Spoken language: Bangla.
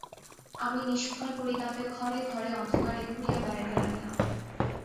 আমি নিষ্ফল পরিতাপে ঘরে ঘরে অন্ধকারে ঘুরিয়া বেড়াইতে লাগিলাম।